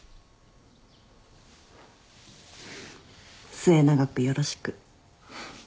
末永くよろしく